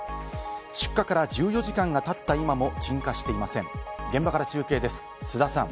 出火から１４時間が経った今も鎮火していません。